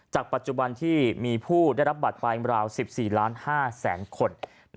จากปัจจุบันที่มีผู้ได้รับบัตรปลายเมลา๑๔๕๐๐๐๐๐คน